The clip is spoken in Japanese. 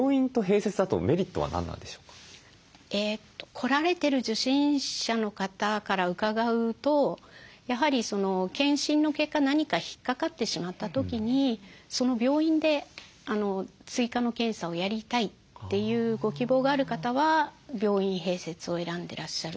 来られてる受診者の方から伺うとやはり健診の結果何か引っかかってしまった時にその病院で追加の検査をやりたいというご希望がある方は病院併設を選んでらっしゃるように思います。